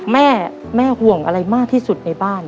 แม่แม่ห่วงอะไรมากที่สุดในบ้าน